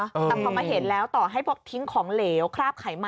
แต่พอมาเห็นแล้วต่อให้พวกทิ้งของเหลวคราบไขมัน